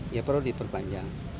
ya perlu diperpanjang